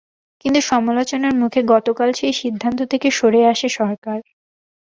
কিন্তু সমালোচনার মুখে গতকাল সেই সিদ্ধান্ত থেকে সরে আসে সরকার।